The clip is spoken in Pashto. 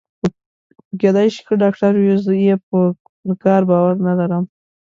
خو کېدای شي ښه ډاکټر وي، زه یې پر کار باور نه لرم.